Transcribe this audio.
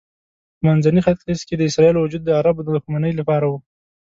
په منځني ختیځ کې د اسرائیلو وجود د عربو د دښمنۍ لپاره و.